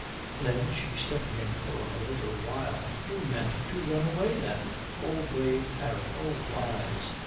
Then she studied him for a little while. "You meant to run away, then. Oh, brave Harry! Oh, wise!